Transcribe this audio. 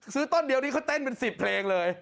ซื้อต้นเดียวนี้เขาเต้นเป็นสิบเพลงเลย